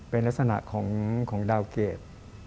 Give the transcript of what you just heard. เป็นลักษณะของดาวเกรด